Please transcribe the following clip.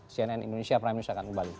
cnn indonesia prime news akan kembali